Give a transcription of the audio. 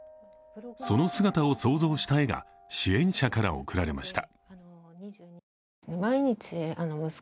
その姿を想像した絵が支援者から贈られました。